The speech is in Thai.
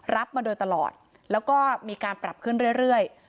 มาโดยตลอดแล้วก็มีการปรับขึ้นเรื่อย